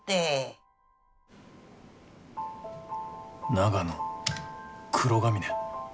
長野黒ヶ峰。